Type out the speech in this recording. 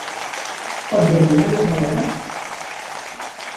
Pot dormir la narradora?